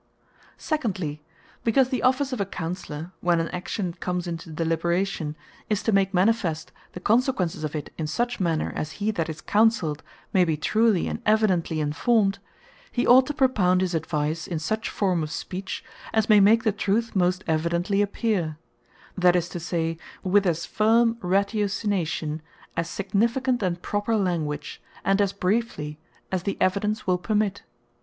Secondly, Because the office of a Counsellour, when an action comes into deliberation, is to make manifest the consequences of it, in such manner, as he that is Counselled may be truly and evidently informed; he ought to propound his advise, in such forme of speech, as may make the truth most evidently appear; that is to say, with as firme ratiocination, as significant and proper language, and as briefly, as the evidence will permit.